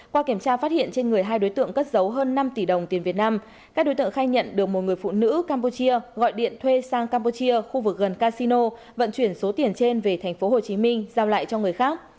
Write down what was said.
qua kiểm tra phát hiện trên người hai đối tượng cất dấu hơn năm tỷ đồng tiền việt nam các đối tượng khai nhận được một người phụ nữ campuchia gọi điện thuê sang campuchia khu vực gần casino vận chuyển số tiền trên về tp hcm giao lại cho người khác